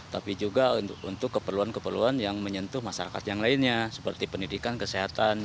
tapi juga untuk keperluan keperluan yang menyentuh masyarakat yang lainnya seperti pendidikan kesehatan